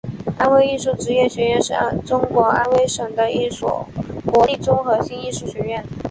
安徽艺术职业学院是中国安徽省的一所国立综合性艺术学院。